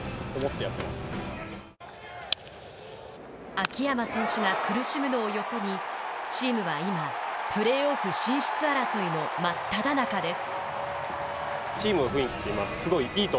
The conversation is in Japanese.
秋山選手が苦しむのをよそにチームは今、プレーオフ進出争いの真っただ中です。